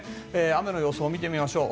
雨の予想を見てみましょう。